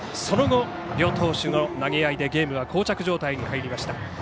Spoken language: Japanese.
その後、両投手の投げ合いでゲームがこう着状態に入りました。